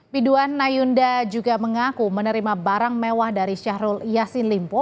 piduan nayunda juga mengaku menerima barang mewah dari syahrul yassin limpo